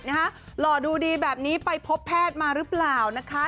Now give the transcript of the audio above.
หล่อดูดีแบบนี้ไปพบแพทย์มาหรือเปล่านะคะ